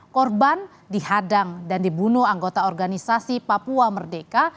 korban dihadang dan dibunuh anggota organisasi papua merdeka